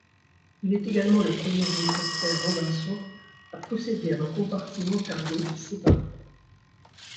Il est également le premier hélicoptère Robinson à posséder un compartiment cargo séparé.